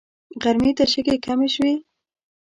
غرمې ته شګې کمې شوې.